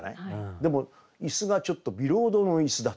でも椅子がちょっと「ビロードの椅子」だった。